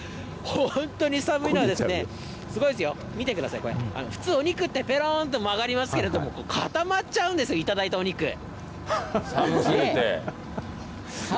本当に寒いのは、すごいですよ、見てください、これ、普通、お肉って、ぺろんって曲がりますけれども、固まっちゃうんですよ、頂寒すぎて。